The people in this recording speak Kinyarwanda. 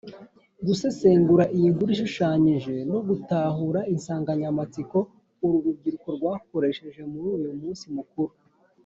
Gusesengura iyi nkuru ishushanyije no gutahura insanganyamatsiko uru rubyiruko rwakoresheje muri uyu munsi mukuru.